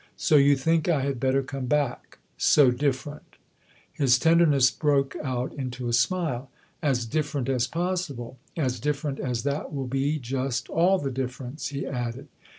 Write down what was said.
" So you think I had better come back so different ?" His tenderness broke out into a smile. "As different as possible. As different as that will be just all the difference," he added.